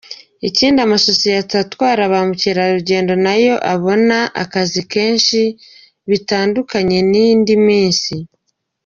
Ikindi, amasosiyete atwara ba mukerarugendo na yo abona akazi kenshi bitandukanye n’indi minsi.